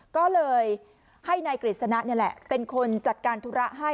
ก็เลยให้นายกฤษณะนี่แหละเป็นคนจัดการธุระให้